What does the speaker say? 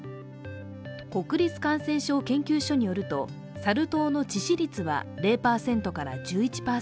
国立感染症研究所によるとサル痘の致死率は０％から１１％。